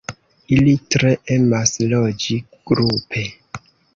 Ili tre emas loĝi grupe.